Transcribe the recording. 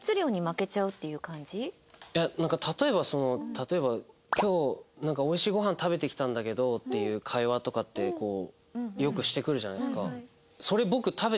いやなんか例えばその例えば「今日おいしいごはん食べてきたんだけど」っていう会話とかってよくしてくるじゃないですか。